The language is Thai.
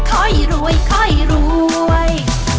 ค่อยรวยค่อยรวย